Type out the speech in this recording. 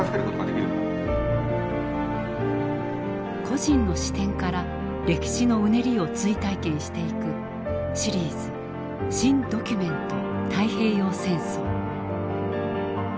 個人の視点から歴史のうねりを追体験していく「シリーズ新・ドキュメント太平洋戦争」。